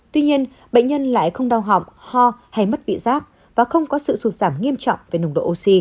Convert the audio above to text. tuy nhiên bệnh nhân lại không đau họng ho hay mất vị giác và không có sự sụt giảm nghiêm trọng